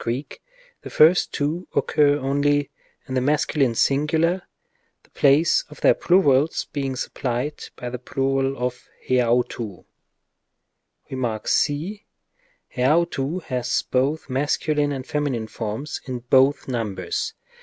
Greek the first two occur only in the masculine singular, the place of their plurals being supplied by the plural of ἑαυτοῦ, ; Rem. c. ἑαυτοῦ has both masculine and feminine forms in both num — bers.